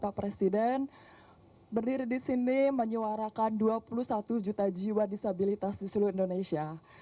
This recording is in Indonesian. pak presiden berdiri di sini menyuarakan dua puluh satu juta jiwa disabilitas di seluruh indonesia